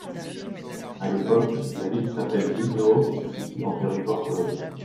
À l'époque, la ville s'appelle Wilno et se situe en territoire polonais.